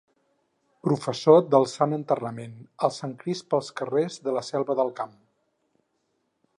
Professó del Sant Enterrament, el Sant Crist pels carrers de la Selva del Camp.